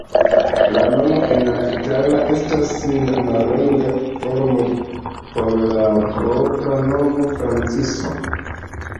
Lia nomo en la itala estas la mallonga formo por la propra nomo Francisco.